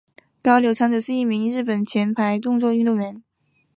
高柳昌子是一名日本前排球运动员。